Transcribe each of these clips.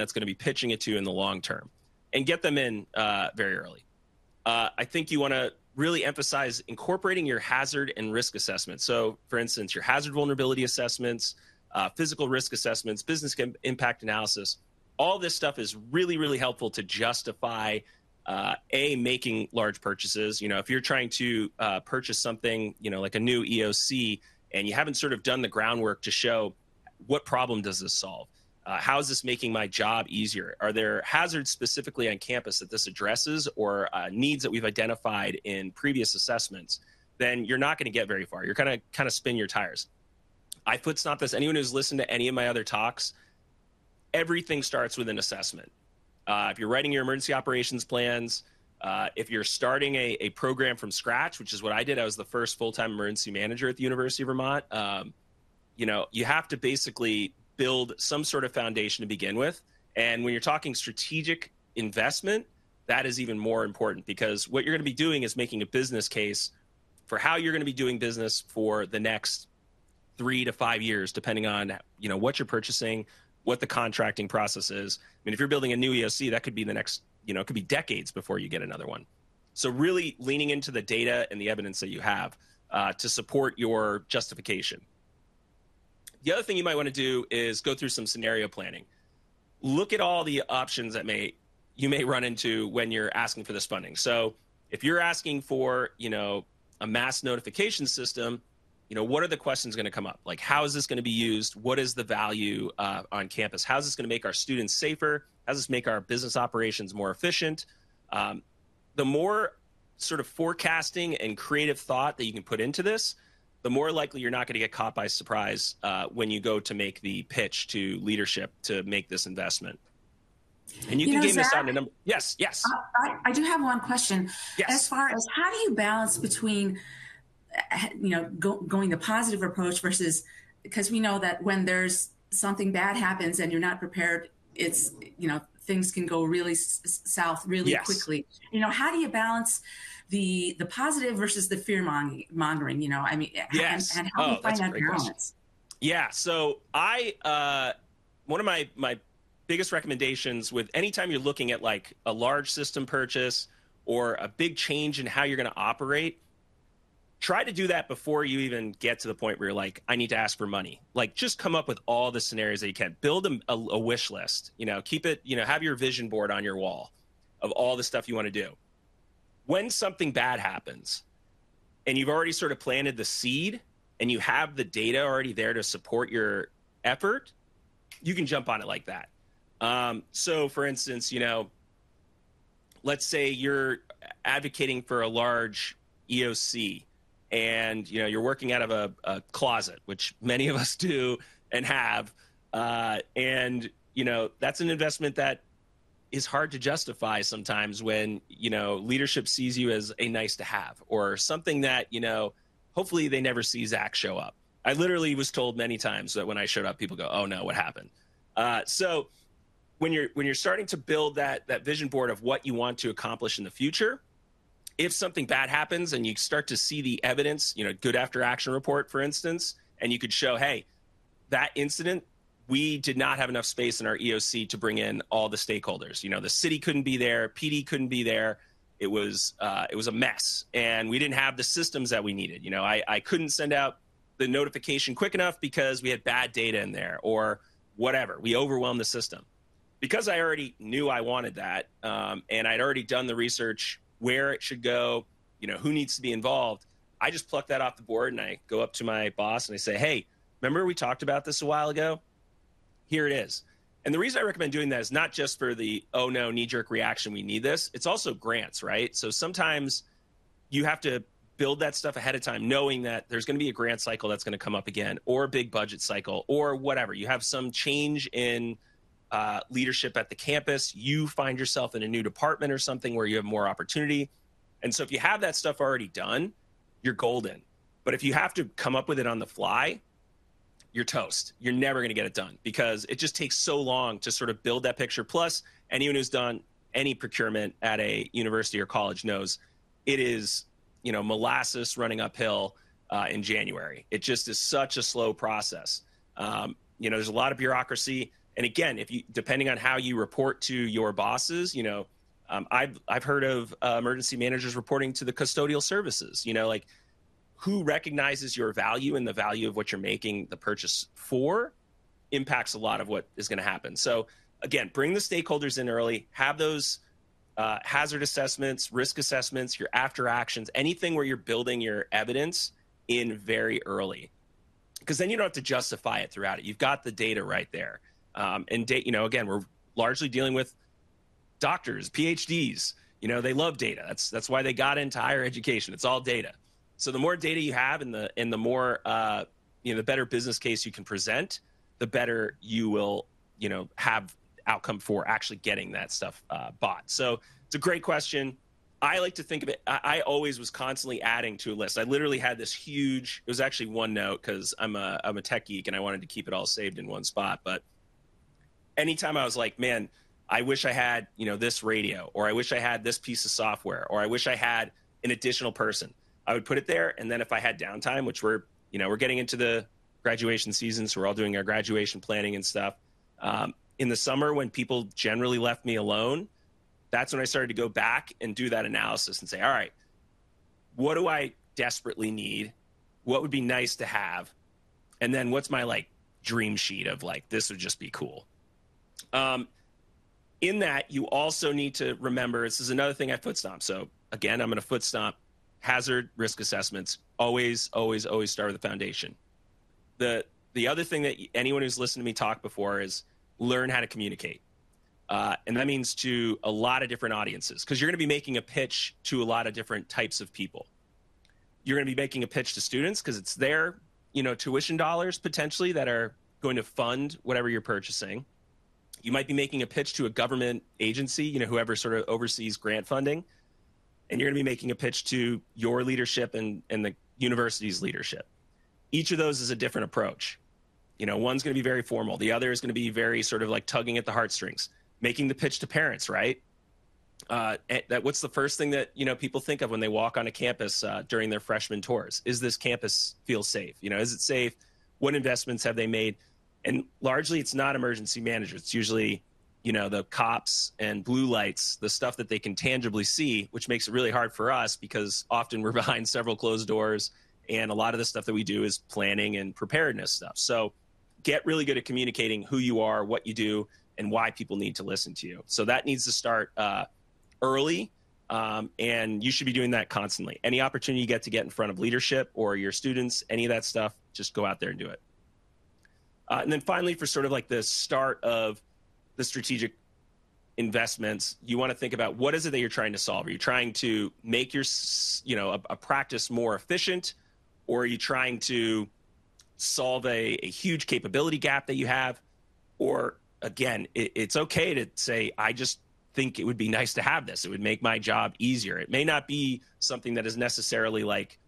That's going to be pitching it to in the long term and get them in, very early. I think you want to really emphasize incorporating your hazard and risk assessments. So, for instance, your Hazard Vulnerability Assessments, physical risk assessments, Business Impact Analysis, all this stuff is really, really helpful to justify, A, making large purchases. You know, if you're trying to purchase something, you know, like a new EOC and you haven't sort of done the groundwork to show what problem does this solve, how is this making my job easier, are there hazards specifically on campus that this addresses or needs that we've identified in previous assessments, then you're not going to get very far. You're kind of spin your tires. I foot-stomp this. Anyone who's listened to any of my other talks, everything starts with an assessment. If you're writing your emergency operations plans, if you're starting a program from scratch, which is what I did, I was the first full-time emergency manager at the University of Vermont, you know, you have to basically build some sort of foundation to begin with. When you're talking strategic investment, that is even more important because what you're going to be doing is making a business case for how you're going to be doing business for the next three-five years, depending on, you know, what you're purchasing, what the contracting process is. I mean, if you're building a new EOC, that could be in the next, you know, it could be decades before you get another one. So really leaning into the data and the evidence that you have, to support your justification. The other thing you might want to do is go through some scenario planning. Look at all the options that you may run into when you're asking for this funding. So if you're asking for, you know, a mass notification system, you know, what are the questions going to come up? Like, how is this going to be used? What is the value, on campus? How is this going to make our students safer? How does this make our business operations more efficient? The more sort of forecasting and creative thought that you can put into this, the more likely you're not going to get caught by surprise, when you go to make the pitch to leadership to make this investment. And you can game this out in a number. Yes. Yes, yes. I do have one question. Yes. As far as how do you balance between, you know, going the positive approach versus because we know that when there's something bad happens and you're not prepared, it's, you know, things can go really south really quickly. Yes. You know, how do you balance the positive versus the fear-mongering, you know? I mean, and how do you find that balance? Yeah. So I, one of my biggest recommendations with anytime you're looking at, like, a large system purchase or a big change in how you're going to operate, try to do that before you even get to the point where you're like, "I need to ask for money." Like, just come up with all the scenarios that you can. Build a wish list. You know, keep it, you know, have your vision board on your wall of all the stuff you want to do. When something bad happens and you've already sort of planted the seed and you have the data already there to support your effort, you can jump on it like that. For instance, you know, let's say you're advocating for a large EOC and, you know, you're working out of a closet, which many of us do and have, and, you know, that's an investment that is hard to justify sometimes when, you know, leadership sees you as a nice-to-have or something that, you know, hopefully they never see Zach show up. I literally was told many times that when I showed up, people go, "Oh, no. What happened?" So when you're starting to build that vision board of what you want to accomplish in the future, if something bad happens and you start to see the evidence, you know, good after-action report, for instance, and you could show, "Hey, that incident, we did not have enough space in our EOC to bring in all the stakeholders. You know, the city couldn't be there. PD couldn't be there. It was a mess. And we didn't have the systems that we needed. You know, I couldn't send out the notification quick enough because we had bad data in there or whatever. We overwhelmed the system." Because I already knew I wanted that, and I'd already done the research where it should go, you know, who needs to be involved, I just pluck that off the board and I go up to my boss and I say, "Hey, remember we talked about this a while ago? Here it is." And the reason I recommend doing that is not just for the, "Oh, no. Knee-jerk reaction. We need this." It's also grants, right? So sometimes you have to build that stuff ahead of time knowing that there's going to be a grant cycle that's going to come up again or a big budget cycle or whatever. You have some change in leadership at the campus. You find yourself in a new department or something where you have more opportunity. And so if you have that stuff already done, you're golden. But if you have to come up with it on the fly, you're toast. You're never going to get it done because it just takes so long to sort of build that picture. Plus, anyone who's done any procurement at a university or college knows it is, you know, molasses running uphill in January. It just is such a slow process. You know, there's a lot of bureaucracy. And again, if you depending on how you report to your bosses, you know, I've heard of emergency managers reporting to the custodial services. You know, like, who recognizes your value and the value of what you're making the purchase for impacts a lot of what is going to happen. So again, bring the stakeholders in early. Have those hazard assessments, risk assessments, your after-actions, anything where you're building your evidence in very early because then you don't have to justify it throughout it. You've got the data right there. And you know, again, we're largely dealing with doctors, PhDs. You know, they love data. That's why they got into higher education. It's all data. So the more data you have and the more, you know, the better business case you can present, the better you will, you know, have outcome for actually getting that stuff bought. So it's a great question. I like to think of it. I always was constantly adding to a list. I literally had this huge. It was actually OneNote because I'm a tech geek and I wanted to keep it all saved in one spot. But anytime I was like, "Man, I wish I had, you know, this radio," or, "I wish I had this piece of software," or, "I wish I had an additional person," I would put it there. And then if I had downtime, which we're, you know, we're getting into the graduation season, so we're all doing our graduation planning and stuff, in the summer when people generally left me alone, that's when I started to go back and do that analysis and say, "All right. What do I desperately need? What would be nice to have? And then what's my, like, dream sheet of, like, this would just be cool?" In that, you also need to remember this is another thing I foot-stomp. So again, I'm going to foot-stomp. Hazard risk assessments always, always, always start with the foundation. The other thing that anyone who's listened to me talk before is learn how to communicate, and that means to a lot of different audiences because you're going to be making a pitch to a lot of different types of people. You're going to be making a pitch to students because it's their, you know, tuition dollars, potentially, that are going to fund whatever you're purchasing. You might be making a pitch to a government agency, you know, whoever sort of oversees grant funding. And you're going to be making a pitch to your leadership and, and the university's leadership. Each of those is a different approach. You know, one's going to be very formal. The other is going to be very sort of like tugging at the heartstrings. Making the pitch to parents, right? And that what's the first thing that, you know, people think of when they walk on a campus, during their freshman tours? Is this campus feel safe? You know, is it safe? What investments have they made? And largely, it's not emergency managers. It's usually, you know, the cops and blue lights, the stuff that they can tangibly see, which makes it really hard for us because often we're behind several closed doors. And a lot of the stuff that we do is planning and preparedness stuff. So get really good at communicating who you are, what you do, and why people need to listen to you. So that needs to start early, and you should be doing that constantly. Any opportunity you get to get in front of leadership or your students, any of that stuff, just go out there and do it. And then finally, for sort of like the start of the strategic investments, you want to think about what is it that you're trying to solve? Are you trying to make your, you know, a practice more efficient? Or are you trying to solve a huge capability gap that you have? Or again, it's okay to say, "I just think it would be nice to have this. It would make my job easier." It may not be something that is necessarily, like,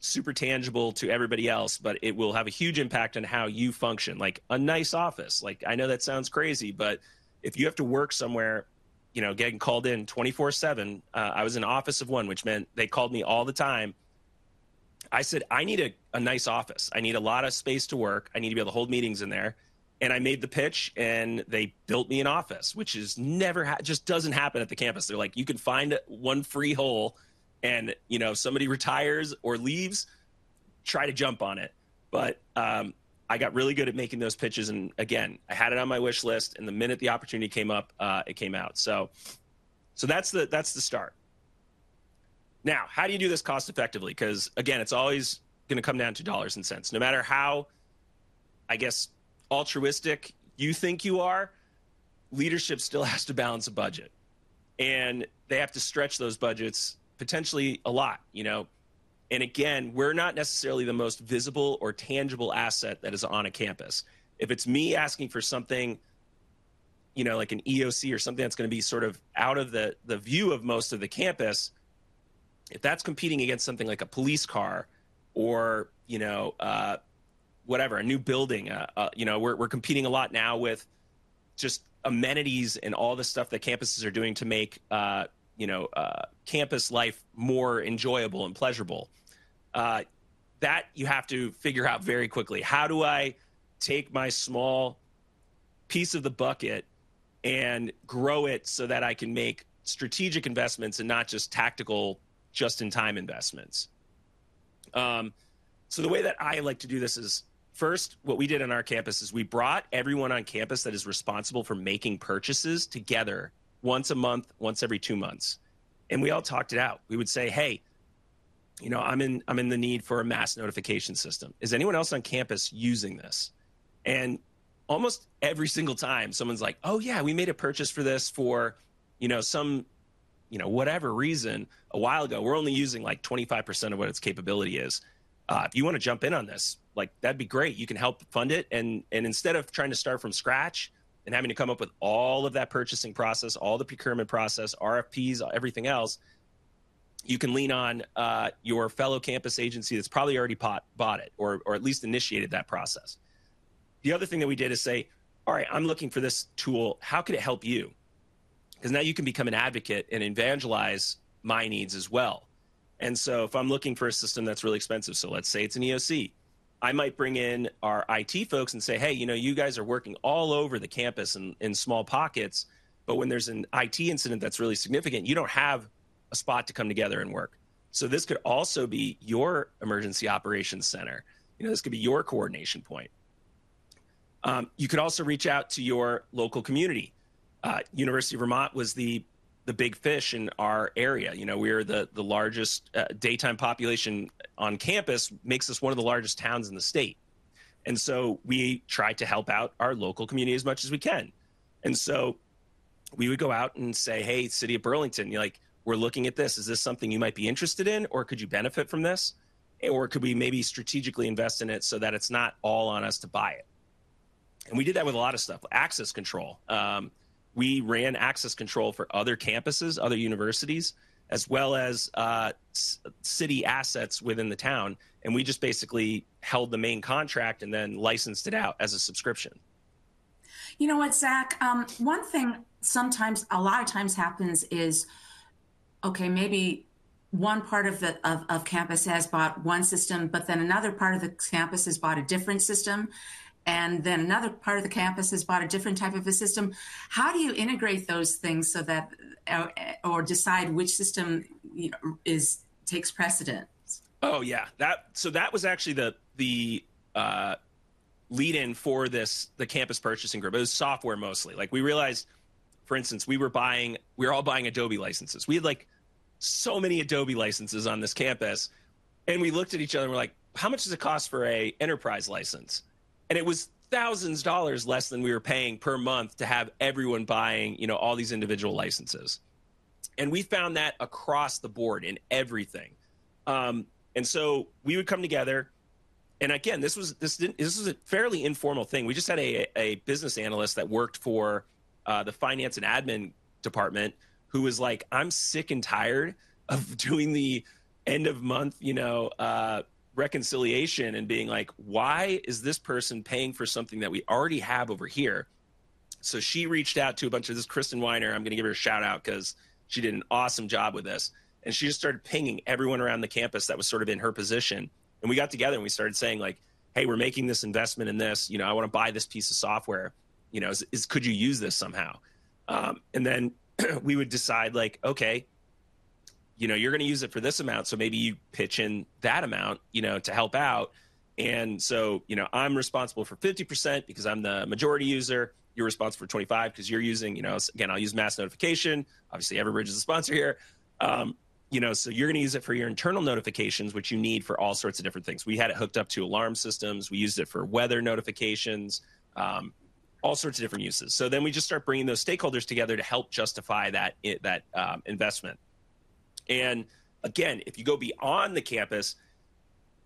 super tangible to everybody else, but it will have a huge impact on how you function. Like, a nice office. Like, I know that sounds crazy, but if you have to work somewhere, you know, getting called in 24/7, I was in the office of one, which meant they called me all the time. I said, "I need a nice office. I need a lot of space to work. I need to be able to hold meetings in there." And I made the pitch, and they built me an office, which is never just doesn't happen at the campus. They're like, "You can find one free hole, and, you know, if somebody retires or leaves, try to jump on it." But I got really good at making those pitches. And again, I had it on my wish list. And the minute the opportunity came up, it came out. So that's the start. Now, how do you do this cost-effectively? Because again, it's always going to come down to dollars and cents. No matter how, I guess, altruistic you think you are, leadership still has to balance a budget. And they have to stretch those budgets potentially a lot, you know? And again, we're not necessarily the most visible or tangible asset that is on a campus. If it's me asking for something, you know, like an EOC or something that's going to be sort of out of the view of most of the campus, if that's competing against something like a police car or, you know, whatever, a new building, you know, we're competing a lot now with just amenities and all the stuff that campuses are doing to make, you know, campus life more enjoyable and pleasurable, that you have to figure out very quickly. How do I take my small piece of the bucket and grow it so that I can make strategic investments and not just tactical just-in-time investments? The way that I like to do this is first, what we did on our campus is we brought everyone on campus that is responsible for making purchases together once a month, once every two months. We all talked it out. We would say, "Hey, you know, I'm in the need for a mass notification system. Is anyone else on campus using this?" Almost every single time, someone's like, "Oh, yeah. We made a purchase for this for, you know, some, you know, whatever reason a while ago. We're only using, like, 25% of what its capability is." If you want to jump in on this, like, that'd be great. You can help fund it. And instead of trying to start from scratch and having to come up with all of that purchasing process, all the procurement process, RFPs, everything else, you can lean on your fellow campus agency that's probably already bought it or at least initiated that process. The other thing that we did is say, "All right. I'm looking for this tool. How could it help you?" Because now you can become an advocate and evangelize my needs as well. And so if I'm looking for a system that's really expensive, so let's say it's an EOC, I might bring in our IT folks and say, "Hey, you know, you guys are working all over the campus in, in small pockets. But when there's an IT incident that's really significant, you don't have a spot to come together and work." So this could also be your emergency operations center. You know, this could be your coordination point. You could also reach out to your local community. University of Vermont was the, the big fish in our area. You know, we are the, the largest, daytime population on campus, makes us one of the largest towns in the state. And so we try to help out our local community as much as we can. And so we would go out and say, "Hey, City of Burlington, you're like, we're looking at this. Is this something you might be interested in? Or could you benefit from this? Or could we maybe strategically invest in it so that it's not all on us to buy it?" And we did that with a lot of stuff, access control. We ran access control for other campuses, other universities, as well as city assets within the town. And we just basically held the main contract and then licensed it out as a subscription. You know what, Zach? One thing sometimes a lot of times happens is, okay, maybe one part of the campus has bought one system, but then another part of the campus has bought a different system, and then another part of the campus has bought a different type of a system. How do you integrate those things so that or decide which system, you know, is takes precedence? Oh, yeah. That, so that was actually the lead-in for the campus purchasing group. It was software mostly. Like, we realized, for instance, we were all buying Adobe licenses. We had, like, so many Adobe licenses on this campus. We looked at each other, and we're like, "How much does it cost for an enterprise license?" It was thousands of dollars less than we were paying per month to have everyone buying, you know, all these individual licenses. We found that across the board in everything. So we would come together. Again, this was a fairly informal thing. We just had a business analyst that worked for the finance and admin department who was like, "I'm sick and tired of doing the end-of-month, you know, reconciliation and being like, 'Why is this person paying for something that we already have over here?'" So she reached out to a bunch of this Kristin Winer. I'm going to give her a shout-out because she did an awesome job with this. And she just started pinging everyone around the campus that was sort of in her position. And we got together, and we started saying, like, "Hey, we're making this investment in this. You know, I want to buy this piece of software. You know, is could you use this somehow?" and then we would decide, like, "Okay. You know, you're going to use it for this amount. So maybe you pitch in that amount, you know, to help out." And so, you know, I'm responsible for 50% because I'm the majority user. You're responsible for 25% because you're using, you know, again, I'll use mass notification. Obviously, Everbridge is a sponsor here, you know, so you're going to use it for your internal notifications, which you need for all sorts of different things. We had it hooked up to alarm systems. We used it for weather notifications, all sorts of different uses. So then we just start bringing those stakeholders together to help justify that investment. And again, if you go beyond the campus,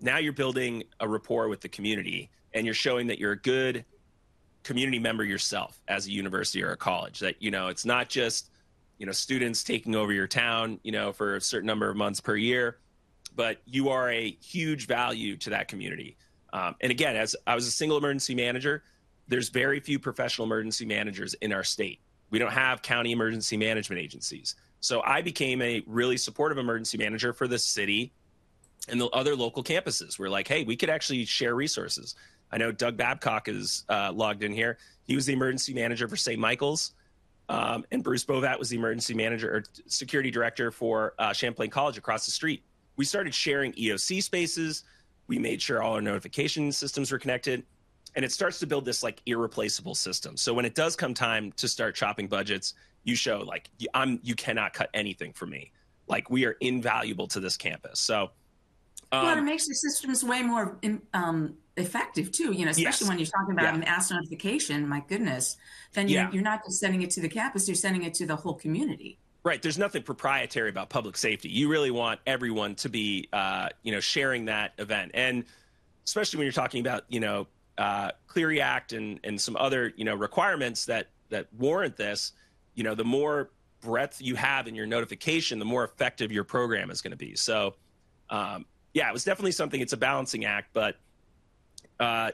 now you're building a rapport with the community, and you're showing that you're a good community member yourself as a university or a college, that, you know, it's not just, you know, students taking over your town, you know, for a certain number of months per year, but you are a huge value to that community. And again, as I was a single emergency manager, there's very few professional emergency managers in our state. We don't have county emergency management agencies. So I became a really supportive emergency manager for the city and the other local campuses. We're like, "Hey, we could actually share resources." I know Doug Babcock is logged in here. He was the emergency manager for Saint Michael's. And Bruce Bovat was the emergency manager or security director for Champlain College across the street. We started sharing EOC spaces. We made sure all our notification systems were connected. It starts to build this, like, irreplaceable system. So when it does come time to start chopping budgets, you show, like, "I'm you cannot cut anything for me. Like, we are invaluable to this campus." So, Well, it makes your systems way more ineffective too, you know, especially when you're talking about a mass notification, my goodness, then you're not just sending it to the campus. You're sending it to the whole community. Right. There's nothing proprietary about public safety. You really want everyone to be, you know, sharing that event. And especially when you're talking about, you know, Clery Act and some other, you know, requirements that warrant this, you know, the more breadth you have in your notification, the more effective your program is going to be. So, yeah, it was definitely something, it's a balancing act, but,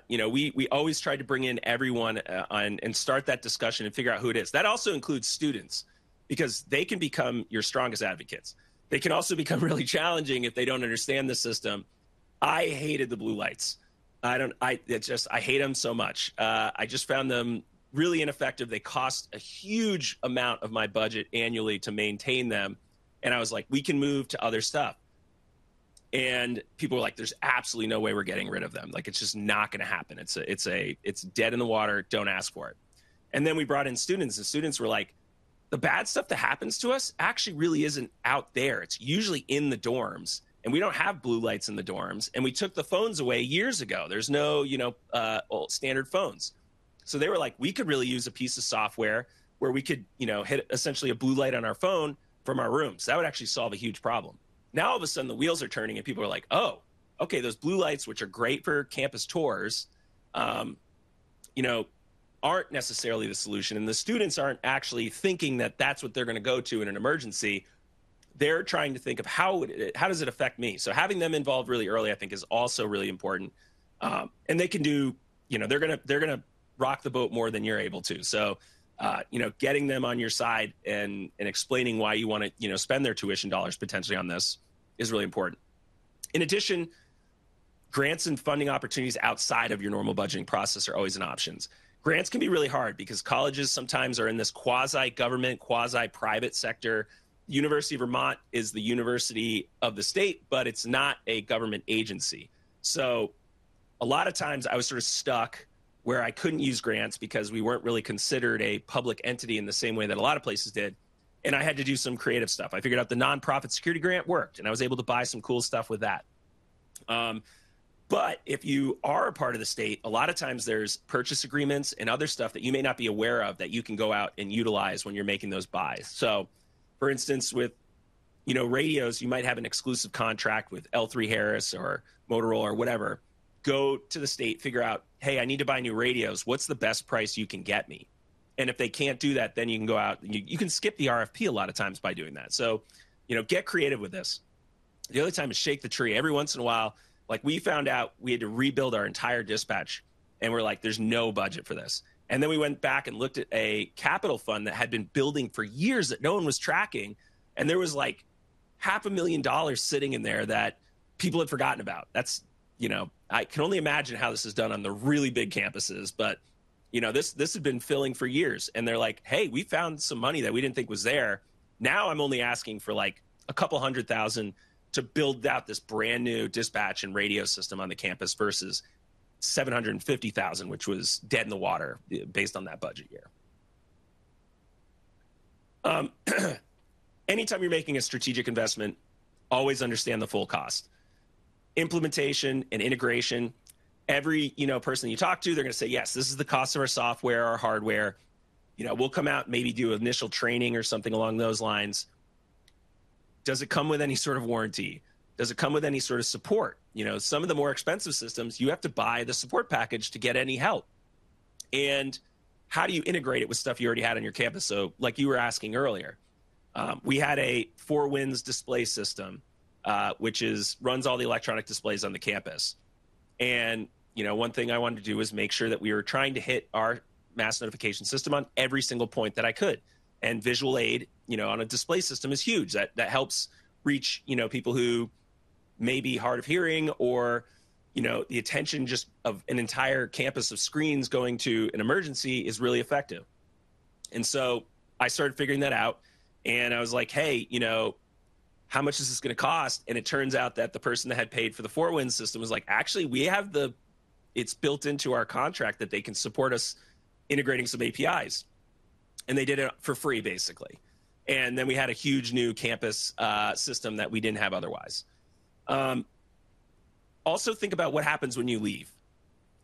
you know, we always try to bring in everyone and start that discussion and figure out who it is. That also includes students because they can become your strongest advocates. They can also become really challenging if they don't understand the system. I hated the blue lights. I don't. It just, I hate them so much. I just found them really ineffective. They cost a huge amount of my budget annually to maintain them. And I was like, "We can move to other stuff." And people were like, "There's absolutely no way we're getting rid of them. Like, it's just not going to happen. It's dead in the water. Don't ask for it." And then we brought in students. And students were like, "The bad stuff that happens to us actually really isn't out there. It's usually in the dorms. And we don't have blue lights in the dorms. And we took the phones away years ago. There's no, you know, old standard phones." So they were like, "We could really use a piece of software where we could, you know, hit essentially a blue light on our phone from our rooms. That would actually solve a huge problem." Now, all of a sudden, the wheels are turning, and people are like, "Oh, okay. Those blue lights, which are great for campus tours, you know, aren't necessarily the solution. The students aren't actually thinking that that's what they're going to go to in an emergency. They're trying to think of how does it affect me? So having them involved really early, I think, is also really important. They can, you know, they're going to rock the boat more than you're able to. So, you know, getting them on your side and explaining why you want to, you know, spend their tuition dollars potentially on this is really important. In addition, grants and funding opportunities outside of your normal budgeting process are always an option. Grants can be really hard because colleges sometimes are in this quasi-government, quasi-private sector. University of Vermont is the university of the state, but it's not a government agency. So a lot of times, I was sort of stuck where I couldn't use grants because we weren't really considered a public entity in the same way that a lot of places did. And I had to do some creative stuff. I figured out the Nonprofit Security Grant worked, and I was able to buy some cool stuff with that. But if you are a part of the state, a lot of times, there's purchase agreements and other stuff that you may not be aware of that you can go out and utilize when you're making those buys. So, for instance, with, you know, radios, you might have an exclusive contract with L3Harris or Motorola or whatever. Go to the state, figure out, "Hey, I need to buy new radios. What's the best price you can get me?" And if they can't do that, then you can go out you can skip the RFP a lot of times by doing that. So, you know, get creative with this. The other time is shake the tree. Every once in a while, like, we found out we had to rebuild our entire dispatch, and we're like, "There's no budget for this." And then we went back and looked at a capital fund that had been building for years that no one was tracking. And there was, like, $500,000 sitting in there that people had forgotten about. That's, you know I can only imagine how this is done on the really big campuses. But, you know, this this had been filling for years. And they're like, "Hey, we found some money that we didn't think was there. Now, I'm only asking for, like, $200,000 to build out this brand new dispatch and radio system on the campus versus $750,000, which was dead in the water based on that budget year." Anytime you're making a strategic investment, always understand the full cost, implementation and integration. Every, you know, person that you talk to, they're going to say, "Yes, this is the cost of our software, our hardware. You know, we'll come out, maybe do initial training or something along those lines." Does it come with any sort of warranty? Does it come with any sort of support? You know, some of the more expensive systems, you have to buy the support package to get any help. And how do you integrate it with stuff you already had on your campus? So, like you were asking earlier, we had a Four Winds display system, which runs all the electronic displays on the campus. And, you know, one thing I wanted to do was make sure that we were trying to hit our mass notification system on every single point that I could. And visual aid, you know, on a display system is huge. That helps reach, you know, people who may be hard of hearing or, you know, the attention just of an entire campus of screens going to an emergency is really effective. And so I started figuring that out. I was like, "Hey, you know, how much is this going to cost?" It turns out that the person that had paid for the Four Winds system was like, "Actually, we have, it's built into our contract that they can support us integrating some APIs." They did it for free, basically. Then we had a huge new campus system that we didn't have otherwise. Also think about what happens when you leave.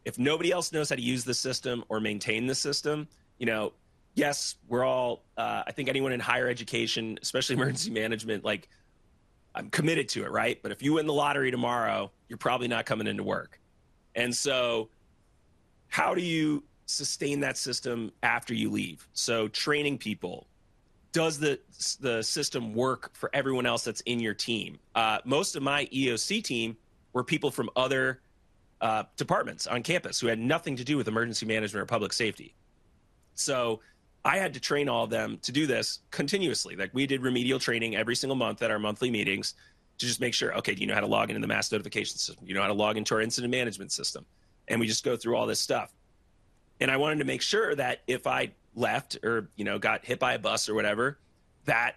If nobody else knows how to use the system or maintain the system, you know, yes, we're all. I think anyone in higher education, especially emergency management, like, I'm committed to it, right? But if you win the lottery tomorrow, you're probably not coming into work. So how do you sustain that system after you leave? So training people. Does the system work for everyone else that's in your team? Most of my EOC team were people from other departments on campus who had nothing to do with emergency management or public safety. So I had to train all of them to do this continuously. Like, we did remedial training every single month at our monthly meetings to just make sure, "Okay, do you know how to log into the mass notification system? Do you know how to log into our incident management system?" And we just go through all this stuff. And I wanted to make sure that if I left or, you know, got hit by a bus or whatever, that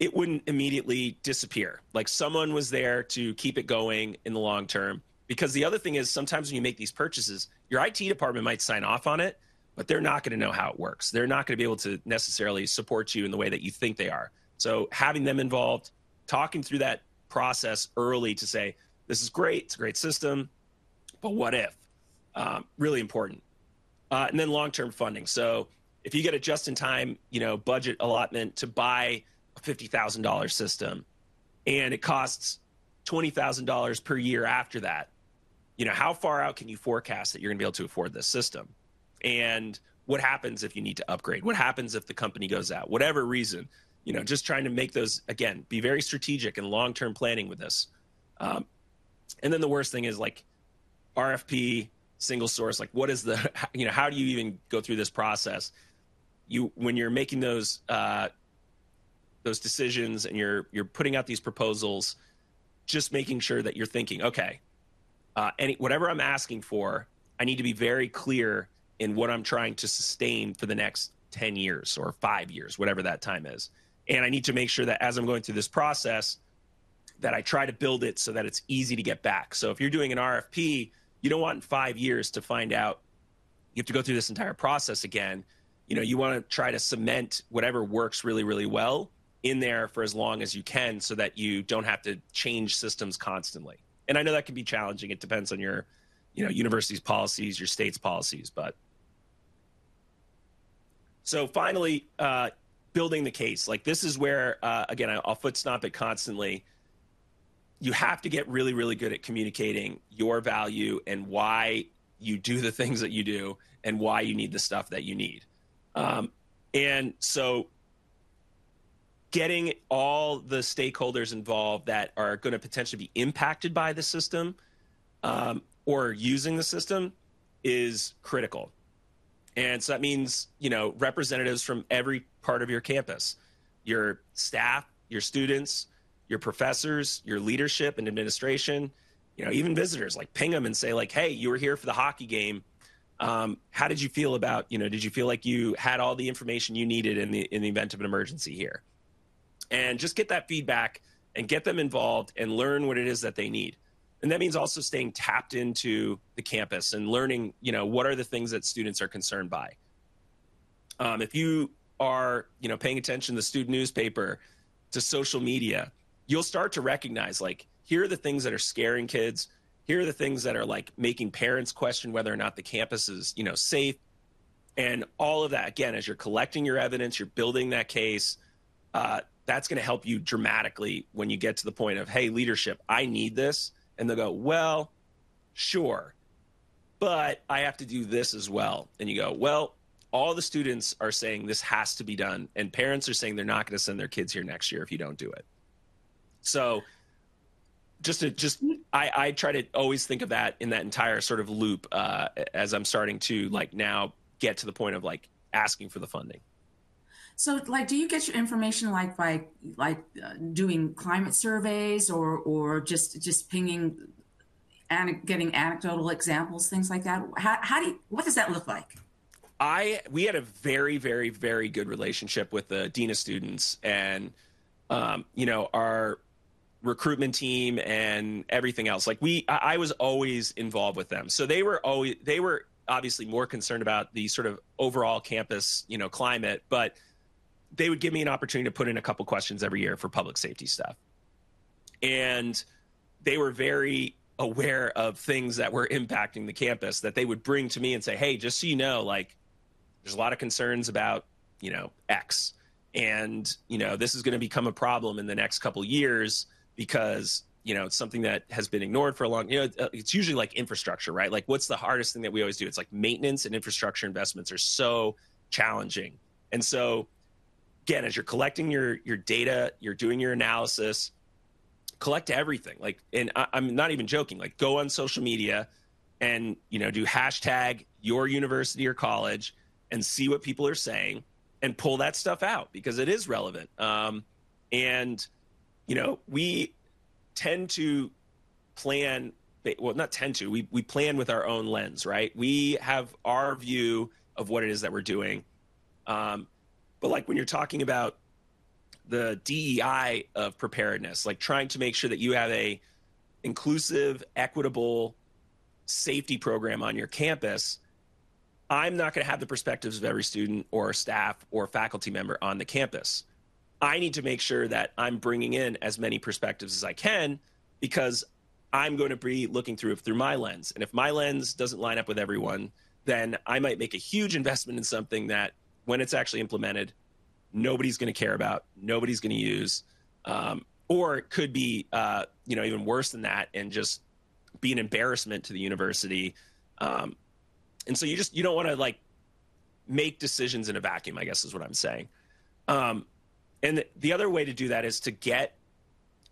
it wouldn't immediately disappear. Like, someone was there to keep it going in the long term. Because the other thing is, sometimes when you make these purchases, your IT department might sign off on it, but they're not going to know how it works. They're not going to be able to necessarily support you in the way that you think they are. So having them involved, talking through that process early to say, "This is great. It's a great system. But what if?" really important. And then long-term funding. So if you get a just-in-time, you know, budget allotment to buy a $50,000 system, and it costs $20,000 per year after that, you know, how far out can you forecast that you're going to be able to afford this system? And what happens if you need to upgrade? What happens if the company goes out, whatever reason? You know, just trying to make those again, be very strategic and long-term planning with this. And then the worst thing is, like, RFP, single source. Like, what is the you know, how do you even go through this process? You, when you're making those decisions and you're putting out these proposals, just making sure that you're thinking, "Okay, any whatever I'm asking for, I need to be very clear in what I'm trying to sustain for the next 10 years or five years, whatever that time is. And I need to make sure that as I'm going through this process, that I try to build it so that it's easy to get back." So if you're doing an RFP, you don't want in five years to find out you have to go through this entire process again. You know, you want to try to cement whatever works really, really well in there for as long as you can so that you don't have to change systems constantly. And I know that can be challenging. It depends on your, you know, university's policies, your state's policies, but. So finally, building the case. Like, this is where again, I'll foot-stomp it constantly. You have to get really, really good at communicating your value and why you do the things that you do and why you need the stuff that you need. And so getting all the stakeholders involved that are going to potentially be impacted by the system, or using the system is critical. And so that means, you know, representatives from every part of your campus, your staff, your students, your professors, your leadership and administration, you know, even visitors, like, ping them and say, like, "Hey, you were here for the hockey game. How did you feel about, you know, did you feel like you had all the information you needed in the event of an emergency here?" And just get that feedback and get them involved and learn what it is that they need. And that means also staying tapped into the campus and learning, you know, what are the things that students are concerned by. If you are, you know, paying attention to the student newspaper, to social media, you'll start to recognize, like, here are the things that are scaring kids. Here are the things that are, like, making parents question whether or not the campus is, you know, safe. And all of that, again, as you're collecting your evidence, you're building that case, that's going to help you dramatically when you get to the point of, "Hey, leadership, I need this." And they'll go, "Well, sure. But I have to do this as well." And you go, "Well, all the students are saying this has to be done. And parents are saying they're not going to send their kids here next year if you don't do it." So I try to always think of that in that entire sort of loop, as I'm starting to, like, now get to the point of, like, asking for the funding. Like, do you get your information, like, by like doing climate surveys or just pinging and getting anecdotal examples, things like that? How do you what does that look like? We had a very, very, very good relationship with the dean of students. And, you know, our recruitment team and everything else. Like, I was always involved with them. So they were always obviously more concerned about the sort of overall campus, you know, climate. But they would give me an opportunity to put in a couple questions every year for public safety stuff. And they were very aware of things that were impacting the campus that they would bring to me and say, "Hey, just so you know, like, there's a lot of concerns about, you know, X. And, you know, this is going to become a problem in the next couple years because, you know, it's something that has been ignored for a long you know, it's usually, like, infrastructure, right? Like, what's the hardest thing that we always do? It's like maintenance and infrastructure investments are so challenging. So, again, as you're collecting your data, you're doing your analysis, collect everything. Like, and I'm not even joking. Like, go on social media and, you know, do hashtag your university or college and see what people are saying and pull that stuff out because it is relevant. And, you know, we tend to plan. Well, not tend to. We plan with our own lens, right? We have our view of what it is that we're doing. But, like, when you're talking about the DEI of preparedness, like, trying to make sure that you have an inclusive, equitable safety program on your campus, I'm not going to have the perspectives of every student or staff or faculty member on the campus. I need to make sure that I'm bringing in as many perspectives as I can because I'm going to be looking through it through my lens. If my lens doesn't line up with everyone, then I might make a huge investment in something that, when it's actually implemented, nobody's going to care about, nobody's going to use. Or it could be, you know, even worse than that and just be an embarrassment to the university. So you just you don't want to, like, make decisions in a vacuum, I guess is what I'm saying. The other way to do that is to get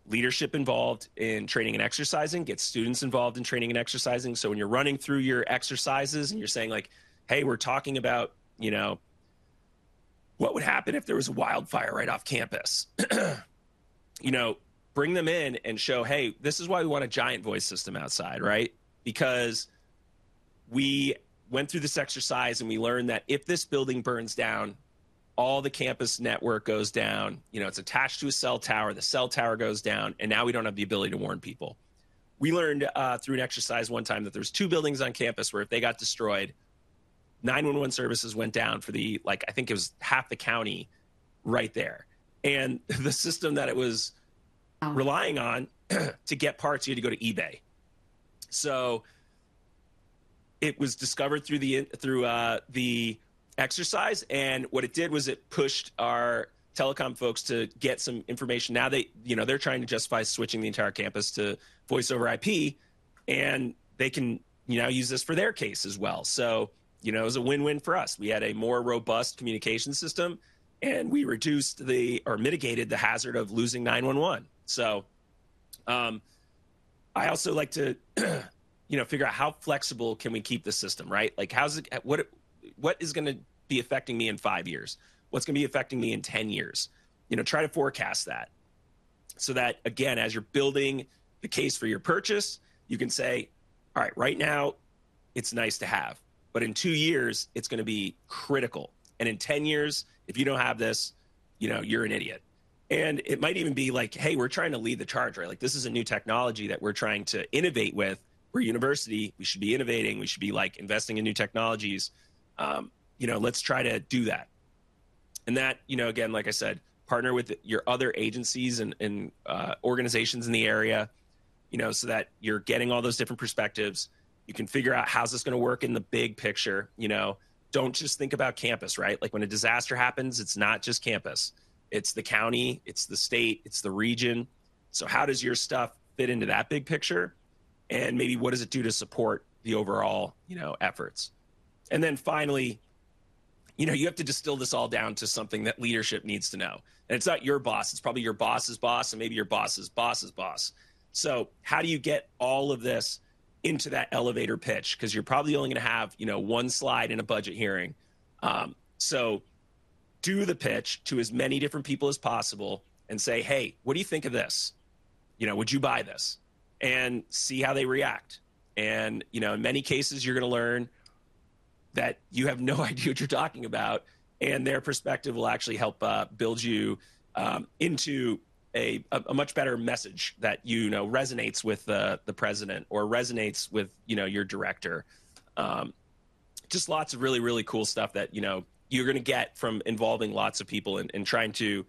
leadership involved in training and exercising, get students involved in training and exercising. So when you're running through your exercises and you're saying, like, "Hey, we're talking about, you know, what would happen if there was a wildfire right off campus?" You know, bring them in and show, "Hey, this is why we want a giant voice system outside, right? Because we went through this exercise and we learned that if this building burns down, all the campus network goes down. You know, it's attached to a cell tower. The cell tower goes down. And now we don't have the ability to warn people." We learned, through an exercise one time, that there were two buildings on campus where, if they got destroyed, 911 services went down for the like, I think it was half the county right there. And the system that it was relying on to get parts, you had to go to eBay. So it was discovered through the exercise. What it did was it pushed our telecom folks to get some information. Now they, you know, they're trying to justify switching the entire campus to voice over IP. They can now use this for their case as well. So, you know, it was a win-win for us. We had a more robust communication system. We reduced or mitigated the hazard of losing 911. So, I also like to, you know, figure out how flexible can we keep the system, right? Like, how's it, what is going to be affecting me in five years? What's going to be affecting me in 10 years? You know, try to forecast that so that, again, as you're building the case for your purchase, you can say, "All right, right now, it's nice to have. But in two years, it's going to be critical. And in 10 years, if you don't have this, you know, you're an idiot." And it might even be like, "Hey, we're trying to lead the charge, right? Like, this is a new technology that we're trying to innovate with. We're a university. We should be innovating. We should be, like, investing in new technologies. You know, let's try to do that." And that, you know, again, like I said, partner with your other agencies and organizations in the area, you know, so that you're getting all those different perspectives. You can figure out how's this going to work in the big picture, you know? Don't just think about campus, right? Like, when a disaster happens, it's not just campus. It's the county. It's the state. It's the region. So how does your stuff fit into that big picture, you know? And maybe what does it do to support the overall, you know, efforts? And then finally, you know, you have to distill this all down to something that leadership needs to know. And it's not your boss. It's probably your boss's boss. And maybe your boss's boss's boss. So how do you get all of this into that elevator pitch? Because you're probably only going to have, you know, one slide in a budget hearing. So do the pitch to as many different people as possible and say, "Hey, what do you think of this? You know, would you buy this?" And see how they react. And, you know, in many cases, you're going to learn that you have no idea what you're talking about. Their perspective will actually help build you into a much better message that you know resonates with the president or resonates with, you know, your director. Just lots of really, really cool stuff that, you know, you're going to get from involving lots of people and trying to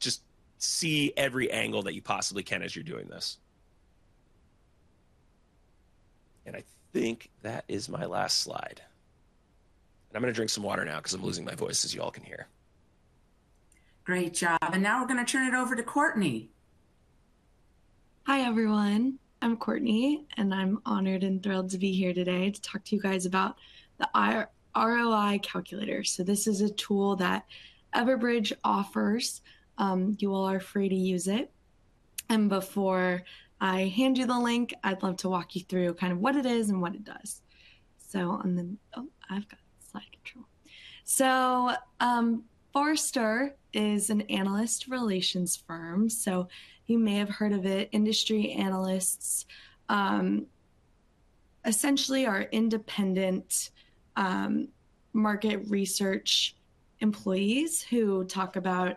just see every angle that you possibly can as you're doing this. I think that is my last slide. I'm going to drink some water now because I'm losing my voice, as you all can hear. Great job. Now we're going to turn it over to Courtney. Hi, everyone. I'm Courtney. I'm honored and thrilled to be here today to talk to you guys about the ROI Calculator. This is a tool that Everbridge offers. You all are free to use it. Before I hand you the link, I'd love to walk you through kind of what it is and what it does. So on the, oh, I've got slide control. Forrester is an analyst relations firm. You may have heard of it. Industry analysts, essentially, are independent market research employees who talk about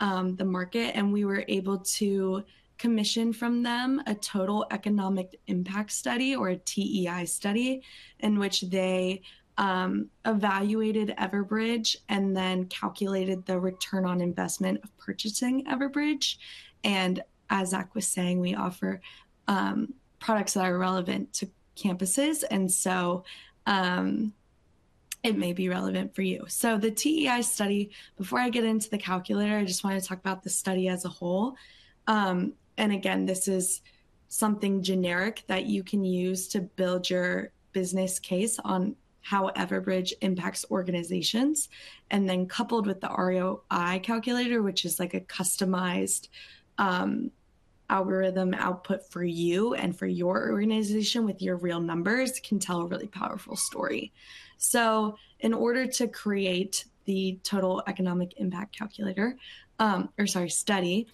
the market. We were able to commission from them a Total Economic Impact study or a TEI study in which they evaluated Everbridge and then calculated the return on investment of purchasing Everbridge. As Zach was saying, we offer products that are relevant to campuses. It may be relevant for you. So the TEI study, before I get into the calculator, I just want to talk about the study as a whole. And again, this is something generic that you can use to build your business case on how Everbridge impacts organizations. And then coupled with the ROI Calculator, which is like a customized, algorithm output for you and for your organization with your real numbers, can tell a really powerful story. So in order to create the Total Economic Impact calculator, or sorry, study,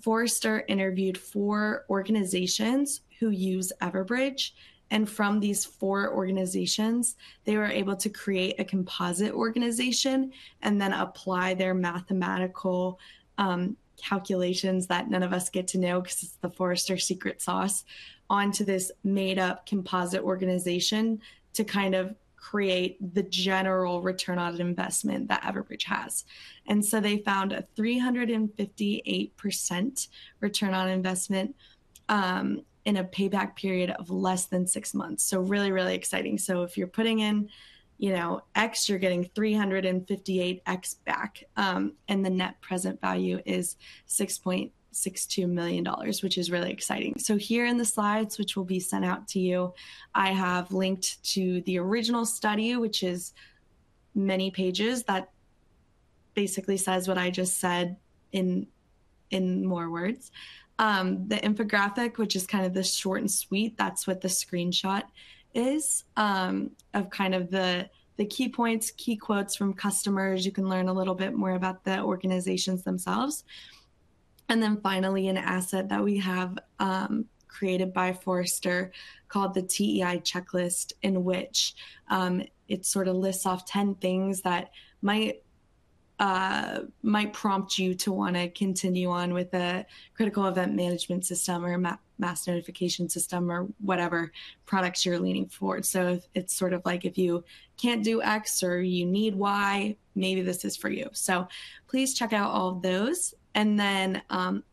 Forrester interviewed four organizations who use Everbridge. And from these four organizations, they were able to create a composite organization and then apply their mathematical, calculations that none of us get to know because it's the Forrester secret sauce onto this made-up composite organization to kind of create the general return on investment that Everbridge has. They found a 358% return on investment, in a payback period of less than six months. So really, really exciting. So if you're putting in, you know, X, you're getting 358x back. And the net present value is $6.62 million, which is really exciting. So here in the slides, which will be sent out to you, I have linked to the original study, which is many pages that basically says what I just said in more words. The infographic, which is kind of the short and sweet, that's what the screenshot is, of kind of the key points, key quotes from customers. You can learn a little bit more about the organizations themselves. And then finally, an asset that we have, created by Forrester called the TEI checklist, in which it sort of lists off 10 things that might prompt you to want to continue on with a critical event management system or a mass notification system or whatever products you're leaning forward. So it's sort of like, if you can't do X or you need Y, maybe this is for you. So please check out all of those. And then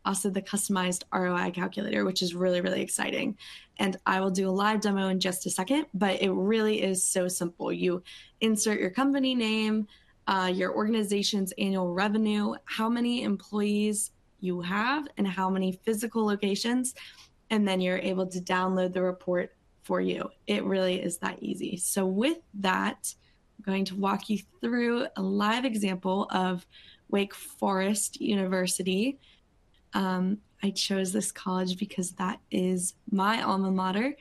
also the customized ROI calculator, which is really, really exciting. And I will do a live demo in just a second. But it really is so simple. You insert your company name, your organization's annual revenue, how many employees you have, and how many physical locations. And then you're able to download the report for you. It really is that easy. So with that, I'm going to walk you through a live example of Wake Forest University. I chose this college because that is my alma mater,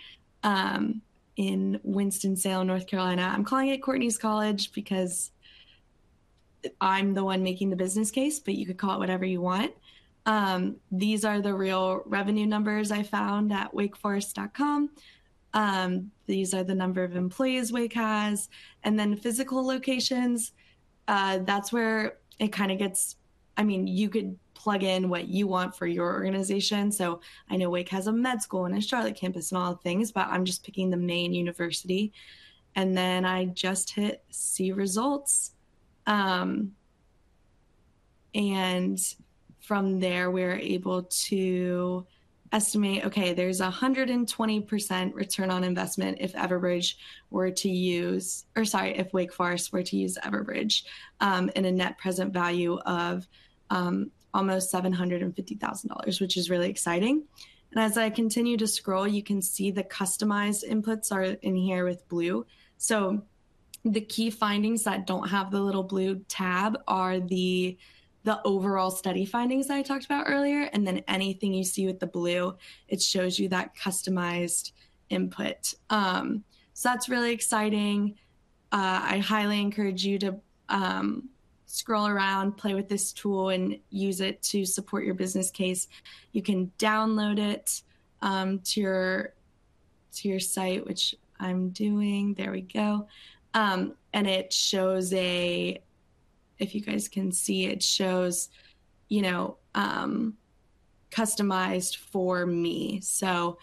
in Winston-Salem, North Carolina. I'm calling it Courtney's College because I'm the one making the business case. But you could call it whatever you want. These are the real revenue numbers I found at wakeforest.edu. These are the number of employees Wake has. And then physical locations, that's where it kind of gets I mean, you could plug in what you want for your organization. So I know Wake has a med school and a Charlotte campus and all the things. But I'm just picking the main university. And then I just hit See Results. And from there, we're able to estimate, OK, there's 120% return on investment if Everbridge were to use or sorry, if Wake Forest were to use Everbridge, and a net present value of almost $750,000, which is really exciting. And as I continue to scroll, you can see the customized inputs are in here with blue. So the key findings that don't have the little blue tab are the overall study findings that I talked about earlier. And then anything you see with the blue, it shows you that customized input. So that's really exciting. I highly encourage you to scroll around, play with this tool, and use it to support your business case. You can download it to your site, which I'm doing. There we go. And it shows, if you guys can see, it shows, you know, Customized for Me. So,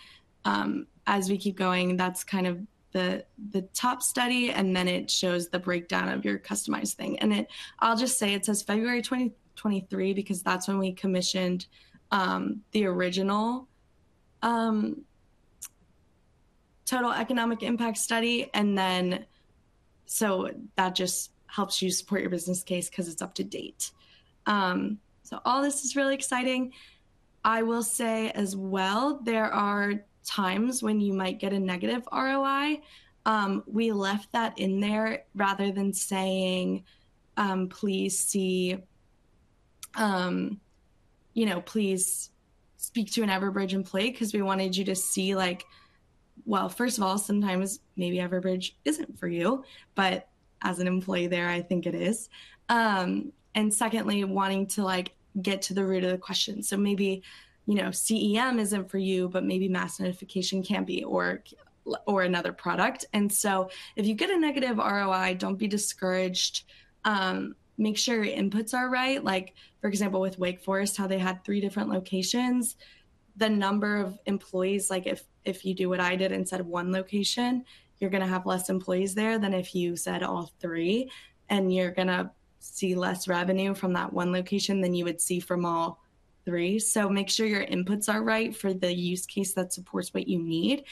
as we keep going, that's kind of the top study. And then it shows the breakdown of your customized thing. And it, I'll just say, it says February 2023 because that's when we commissioned the original Total Economic Impact study. And then so that just helps you support your business case because it's up to date. So all this is really exciting. I will say as well, there are times when you might get a negative ROI. We left that in there rather than saying, please see, you know, please speak to an Everbridge employee because we wanted you to see, like well, first of all, sometimes maybe Everbridge isn't for you. But as an employee there, I think it is. And secondly, wanting to, like, get to the root of the question. So maybe, you know, CEM isn't for you. But maybe mass notification can be or or another product. And so if you get a negative ROI, don't be discouraged. Make sure your inputs are right. Like, for example, with Wake Forest, how they had three different locations, the number of employees like, if if you do what I did and said one location, you're going to have less employees there than if you said all three. And you're going to see less revenue from that one location than you would see from all three. So make sure your inputs are right for the use case that supports what you need.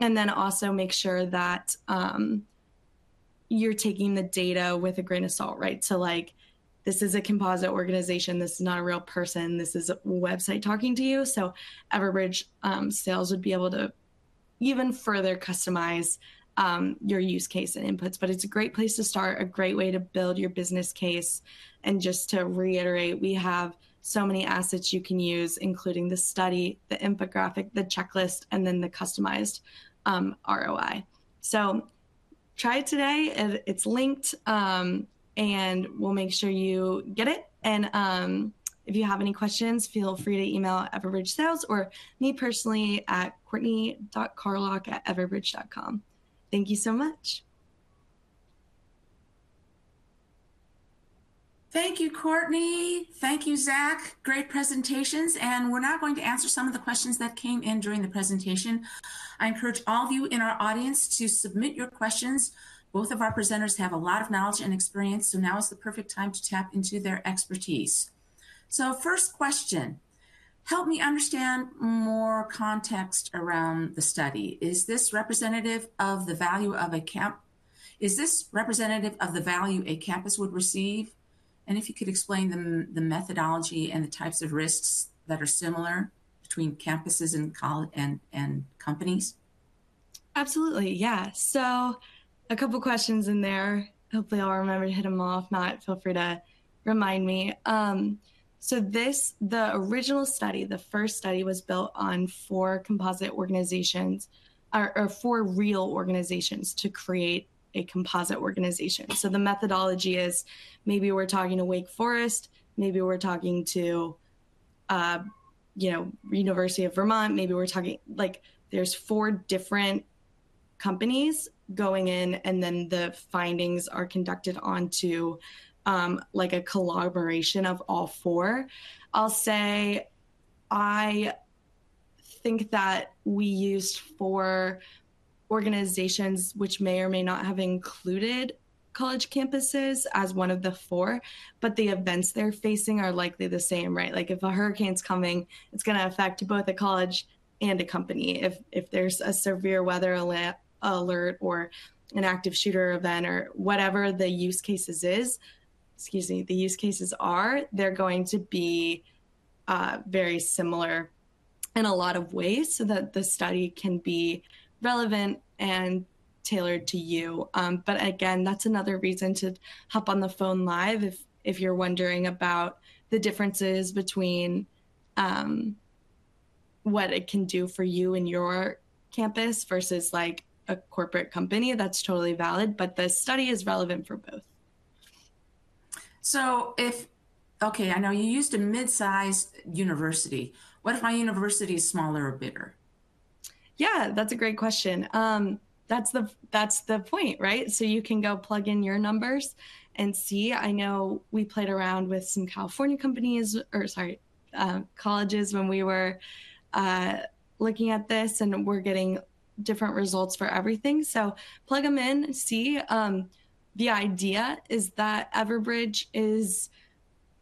And then also make sure that, you're taking the data with a grain of salt, right? So, like, this is a composite organization. This is not a real person. This is a website talking to you. So Everbridge sales would be able to even further customize your use case and inputs. But it's a great place to start, a great way to build your business case. And just to reiterate, we have so many assets you can use, including the study, the infographic, the checklist, and then the customized ROI. So try it today. It's linked, and we'll make sure you get it. And if you have any questions, feel free to email Everbridge Sales or me personally at Courtney.Carlock@Everbridge.com. Thank you so much. Thank you, Courtney. Thank you, Zach. Great presentations. And we're now going to answer some of the questions that came in during the presentation. I encourage all of you in our audience to submit your questions. Both of our presenters have a lot of knowledge and experience. So now is the perfect time to tap into their expertise. So first question, help me understand more context around the study. Is this representative of the value of a campus? Is this representative of the value a campus would receive? And if you could explain the methodology and the types of risks that are similar between campuses and companies. Absolutely. Yeah. So a couple of questions in there. Hopefully, I'll remember to hit them all. If not, feel free to remind me. So this the original study, the first study, was built on four composite organizations or four real organizations to create a composite organization. So the methodology is maybe we're talking to Wake Forest. Maybe we're talking to, you know, University of Vermont. Maybe we're talking like, there's four different companies going in. And then the findings are conducted onto, like, a collaboration of all four. I'll say I think that we used four organizations, which may or may not have included college campuses as one of the four. But the events they're facing are likely the same, right? Like, if a hurricane's coming, it's going to affect both a college and a company. If there's a severe weather alert or an active shooter event or whatever the use cases is excuse me, the use cases are, they're going to be, very similar in a lot of ways so that the study can be relevant and tailored to you. But again, that's another reason to hop on the phone live if you're wondering about the differences between, what it can do for you and your campus versus, like, a corporate company. That's totally valid. But the study is relevant for both. So, if OK, I know you used a midsize university. What if my university is smaller or bigger? Yeah, that's a great question. That's the point, right? So you can go plug in your numbers and see. I know we played around with some California companies or sorry, colleges when we were looking at this. And we're getting different results for everything. So plug them in and see. The idea is that Everbridge is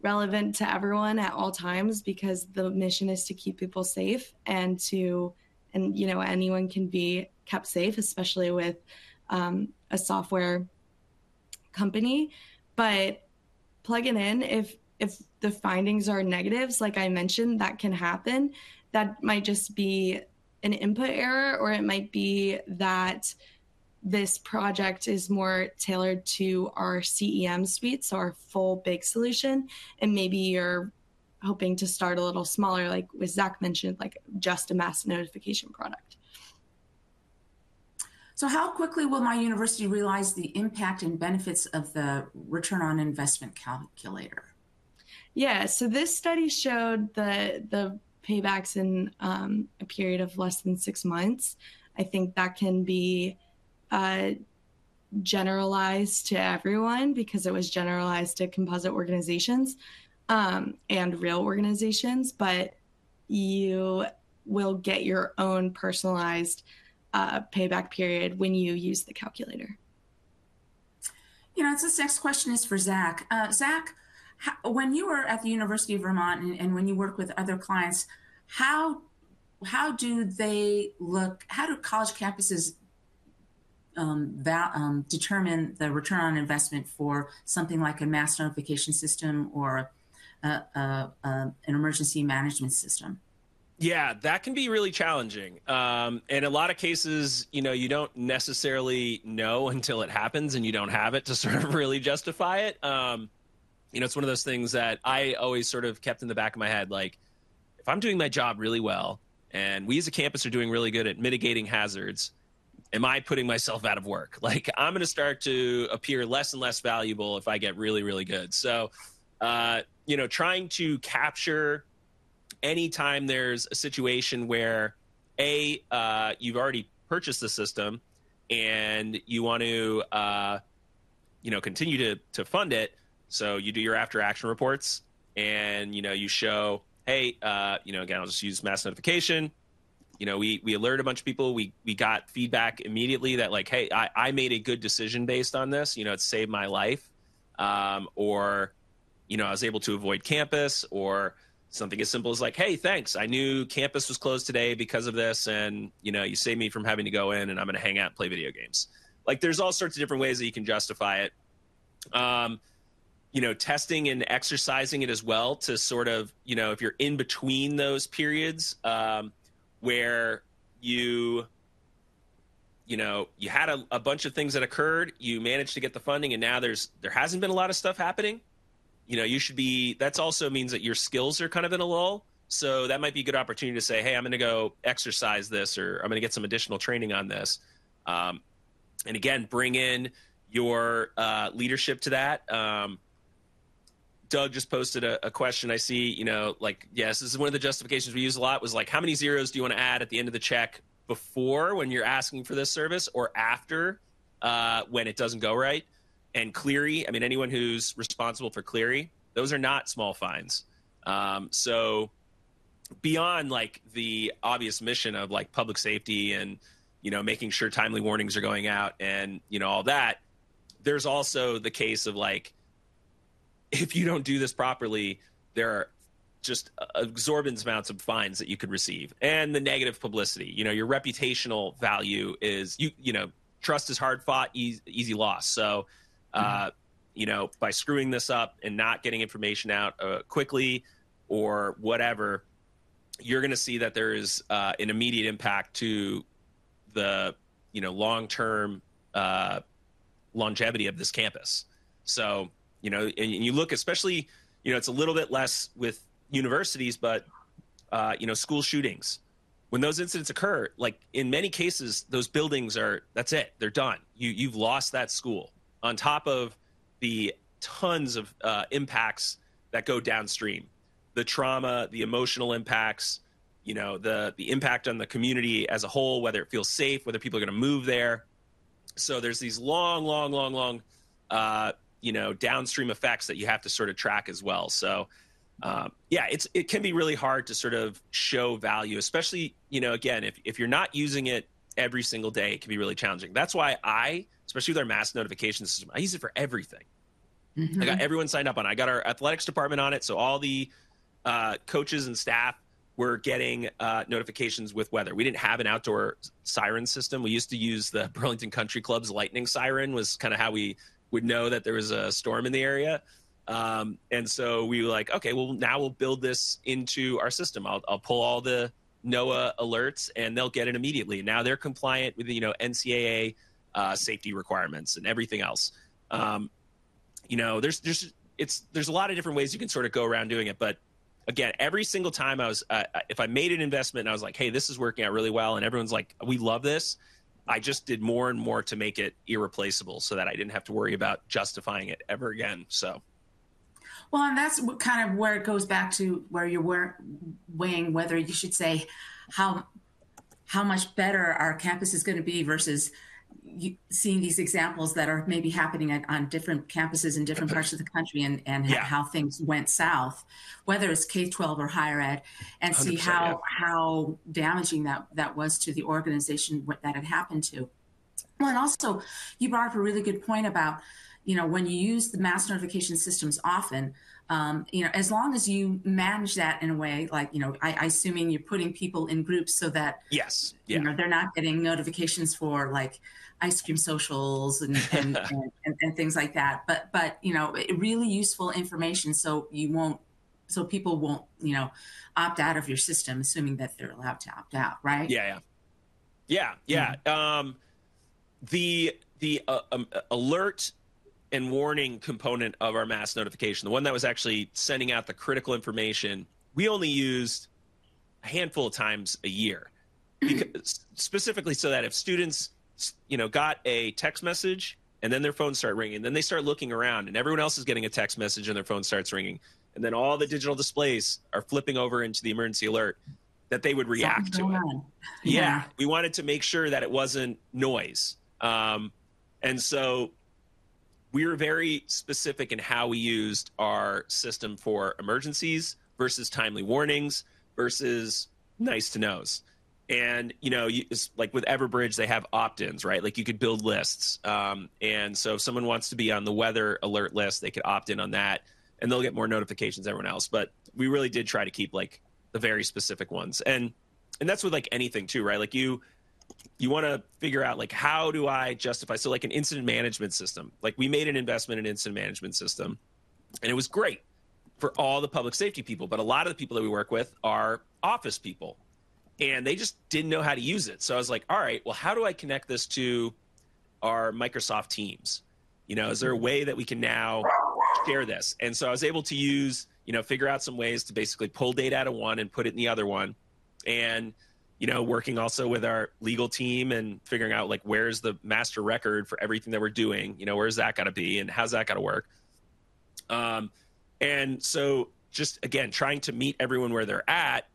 relevant to everyone at all times because the mission is to keep people safe and to, you know, anyone can be kept safe, especially with a software company. But plug it in. If the findings are negatives, like I mentioned, that can happen. That might just be an input error. Or it might be that this project is more tailored to our CEM suite, so our full big solution. And maybe you're hoping to start a little smaller, like what Zach mentioned, like just a mass notification product. How quickly will my university realize the impact and benefits of the return on investment calculator? Yeah. So this study showed the payback in a period of less than six months. I think that can be generalized to everyone because it was generalized to composite organizations, and real organizations. But you will get your own personalized payback period when you use the calculator. You know, this next question is for Zach. Zach, when you were at the University of Vermont and when you worked with other clients, how do college campuses determine the return on investment for something like a mass notification system or a, an emergency management system? Yeah, that can be really challenging. In a lot of cases, you know, you don't necessarily know until it happens. And you don't have it to sort of really justify it. You know, it's one of those things that I always sort of kept in the back of my head. Like, if I'm doing my job really well, and we, as a campus, are doing really good at mitigating hazards, am I putting myself out of work? Like, I'm going to start to appear less and less valuable if I get really, really good. So, you know, trying to capture any time there's a situation where, A, you've already purchased the system. And you want to, you know, continue to fund it. So you do your after-action reports. And, you know, you show, hey, you know, again, I'll just use mass notification. You know, we alert a bunch of people. We got feedback immediately that, like, hey, I made a good decision based on this. You know, it saved my life. Or, you know, I was able to avoid campus. Or something as simple as, like, hey, thanks. I knew campus was closed today because of this. And, you know, you saved me from having to go in. And I'm going to hang out and play video games. Like, there's all sorts of different ways that you can justify it. You know, testing and exercising it as well to sort of, you know, if you're in between those periods, where you, you know, you had a bunch of things that occurred. You managed to get the funding. And now there hasn't been a lot of stuff happening. You know, you should be that also means that your skills are kind of in a lull. So that might be a good opportunity to say, hey, I'm going to go exercise this. Or I'm going to get some additional training on this. And again, bring in your leadership to that. Doug just posted a question. I see, you know, like, yes, this is one of the justifications we use a lot was, like, how many zeros do you want to add at the end of the check before, when you're asking for this service, or after, when it doesn't go right? And Clery, I mean, anyone who's responsible for Clery, those are not small fines. So beyond, like, the obvious mission of, like, public safety and, you know, making sure timely warnings are going out and, you know, all that, there's also the case of, like, if you don't do this properly, there are just astronomical amounts of fines that you could receive and the negative publicity. You know, your reputational value is you, you know, trust is hard-fought, easy loss. So, you know, by screwing this up and not getting information out quickly or whatever, you're going to see that there is an immediate impact to the, you know, long-term longevity of this campus. So, you know, and you look especially, you know, it's a little bit less with universities. But, you know, school shootings, when those incidents occur, like, in many cases, those buildings are that's it. They're done. You've lost that school on top of the tons of impacts that go downstream, the trauma, the emotional impacts, you know, the impact on the community as a whole, whether it feels safe, whether people are going to move there. So there's these long, long, long, long, you know, downstream effects that you have to sort of track as well. So, yeah, it can be really hard to sort of show value, especially, you know, again, if you're not using it every single day, it can be really challenging. That's why I, especially with our mass notification system, I use it for everything. I got everyone signed up on it. I got our athletics department on it. So all the coaches and staff were getting notifications with weather. We didn't have an outdoor siren system. We used to use the Burlington Country Club's lightning siren was kind of how we would know that there was a storm in the area. And so we were like, OK, well, now we'll build this into our system. I'll pull all the NOAA alerts. And they'll get it immediately. And now they're compliant with the, you know, NCAA safety requirements and everything else. You know, there's a lot of different ways you can sort of go around doing it. But again, every single time I was, if I made an investment, and I was like, hey, this is working out really well. And everyone's like, we love this. I just did more and more to make it irreplaceable so that I didn't have to worry about justifying it ever again, so. Well, and that's kind of where it goes back to where you're weighing whether you should say how much better our campus is going to be versus seeing these examples that are maybe happening at different campuses in different parts of the country and how things went south, whether it's K-12 or higher ed, and see how damaging that was to the organization that it happened to. Well, and also, you brought up a really good point about, you know, when you use the mass notification systems often, you know, as long as you manage that in a way like, you know, I assuming you're putting people in groups so that. Yes, yeah. You know, they're not getting notifications for, like, ice cream socials and things like that. But, you know, really useful information so people won't, you know, opt out of your system, assuming that they're allowed to opt out, right? Yeah, yeah. Yeah, yeah. The alert and warning component of our mass notification, the one that was actually sending out the critical information, we only used a handful of times a year, specifically so that if students, you know, got a text message, and then their phones start ringing, then they start looking around. And everyone else is getting a text message. And their phone starts ringing. And then all the digital displays are flipping over into the emergency alert that they would react to it. That's so fun. Yeah. We wanted to make sure that it wasn't noise. And so we were very specific in how we used our system for emergencies versus timely warnings versus nice-to-knows. And, you know, you it's like, with Everbridge, they have opt-ins, right? Like, you could build lists. And so if someone wants to be on the weather alert list, they could opt in on that. And they'll get more notifications than everyone else. But we really did try to keep, like, the very specific ones. And that's with, like, anything too, right? Like, you want to figure out, like, how do I justify so, like, an incident management system, like, we made an investment in an incident management system. And it was great for all the public safety people. But a lot of the people that we work with are office people. They just didn't know how to use it. So I was like, all right, well, how do I connect this to our Microsoft Teams? You know, is there a way that we can now share this? And so I was able to use, you know, figure out some ways to basically pull data out of one and put it in the other one, and, you know, working also with our legal team and figuring out, like, where's the master record for everything that we're doing? You know, where's that going to be? And how's that going to work? And so just, again, trying to meet everyone where they're at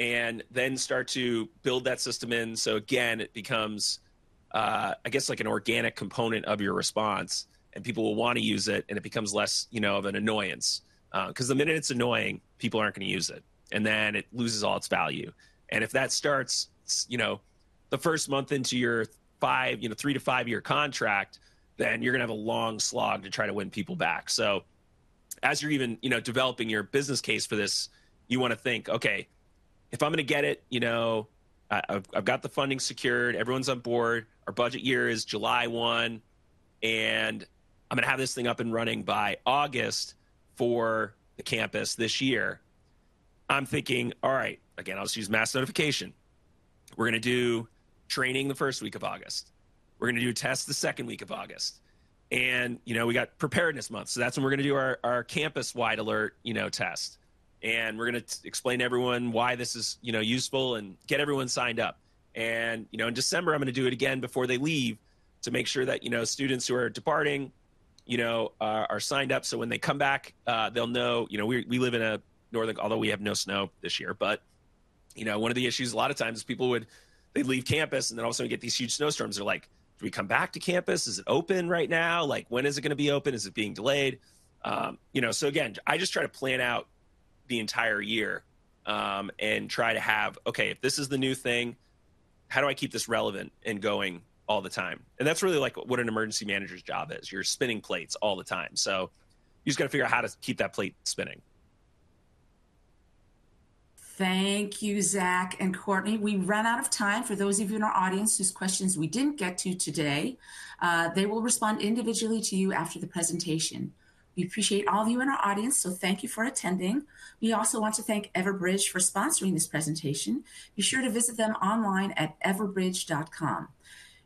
and then start to build that system in. So again, it becomes, I guess, like, an organic component of your response. And people will want to use it. It becomes less, you know, of an annoyance, because the minute it's annoying, people aren't going to use it. Then it loses all its value. If that starts, you know, the first month into your five, you know, three-five-year contract, then you're going to have a long slog to try to win people back. So as you're even, you know, developing your business case for this, you want to think, OK, if I'm going to get it, you know, I've got the funding secured. Everyone's on board. Our budget year is July 1. I'm going to have this thing up and running by August for the campus this year. I'm thinking, all right, again, I'll just use mass notification. We're going to do training the first week of August. We're going to do tests the second week of August. You know, we got Preparedness Month. So that's when we're going to do our campus-wide alert, you know, test. And we're going to explain to everyone why this is, you know, useful and get everyone signed up. And, you know, in December, I'm going to do it again before they leave to make sure that, you know, students who are departing, you know, are signed up. So when they come back, they'll know, you know, we live in a northern, although we have no snow this year. But, you know, one of the issues a lot of times is people would, they'd leave campus. And then all of a sudden, we get these huge snowstorms. They're like, do we come back to campus? Is it open right now? Like, when is it going to be open? Is it being delayed? You know, so again, I just try to plan out the entire year, and try to have, OK, if this is the new thing, how do I keep this relevant and going all the time? And that's really, like, what an emergency manager's job is. You're spinning plates all the time. So you just got to figure out how to keep that plate spinning. Thank you, Zach and Courtney. We ran out of time. For those of you in our audience whose questions we didn't get to today, they will respond individually to you after the presentation. We appreciate all of you in our audience. So thank you for attending. We also want to thank Everbridge for sponsoring this presentation. Be sure to visit them online at everbridge.com.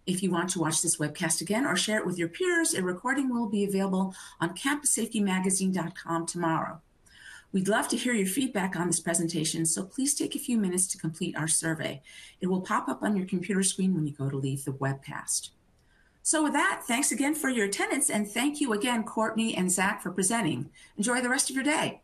If you want to watch this webcast again or share it with your peers, a recording will be available on campussafetymagazine.com tomorrow. We'd love to hear your feedback on this presentation. So please take a few minutes to complete our survey. It will pop up on your computer screen when you go to leave the webcast. So with that, thanks again for your attendance. And thank you again, Courtney and Zach, for presenting. Enjoy the rest of your day.